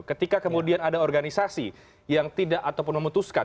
ketika kemudian ada organisasi yang tidak ataupun memutuskan